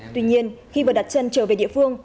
tuy nhiên khi vừa đặt chân trở về địa phương